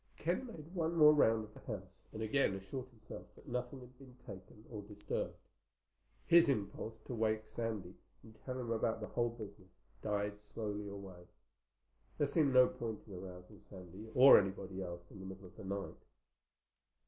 Ken made one more round of the house, and again assured himself that nothing had been taken or disturbed. His impulse to wake Sandy, and tell him about the whole business, died slowly away. There seemed no point in arousing Sandy, or anybody else, in the middle of the night.